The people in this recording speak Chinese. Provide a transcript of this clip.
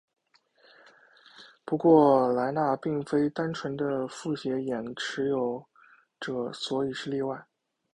不过莱纳并非单纯的复写眼持有者所以是例外。